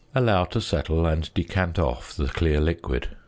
Allow to settle, and decant off the clear liquid.